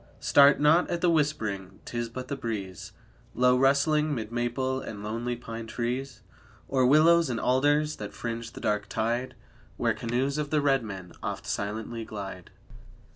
Start not at the whispering, 'tis but the breeze, Low rustling, 'mid maple and lonely pine trees, Or willows and alders that fringe the dark tide Where canoes of the red men oft silently glide.